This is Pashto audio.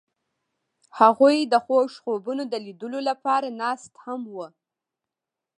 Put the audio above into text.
هغوی د خوږ خوبونو د لیدلو لپاره ناست هم وو.